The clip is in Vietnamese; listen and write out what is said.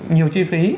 nhiều chi phí